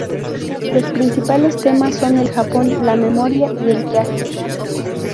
Los principales temas son el Japón, la memoria y el viaje.